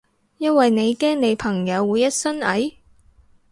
因為你驚你朋友會一身蟻？